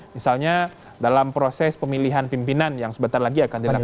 misalnya dalam proses pemilihan pimpinan yang sebentar lagi akan dilaksanakan